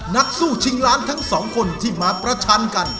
นักสู้ชิงล้านทั้งสองคนที่มาประชันกัน